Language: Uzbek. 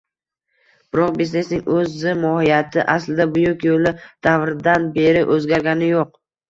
Biroq, biznesning oʻzi mohiyati, aslida, Buyuk Yoʻli davridan beri oʻzgargani yoʻq.